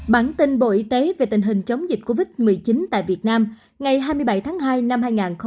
bản tin bộ y tế về tình hình chống dịch covid một mươi chín tại việt nam ngày hai mươi bảy tháng hai năm hai nghìn hai mươi